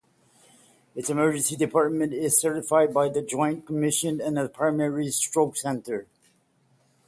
Its Emergency Department is certified by the Joint Commission as a Primary Stroke Center.